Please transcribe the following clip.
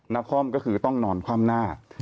นครก็คือต้องนอนคว่ำหน้า